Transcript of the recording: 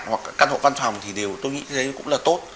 hoặc căn hộ văn phòng thì đều tôi nghĩ cũng là tốt